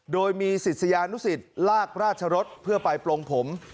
โดยมีศิษยานุสิตลากราชรสเพื่อไปปลงผม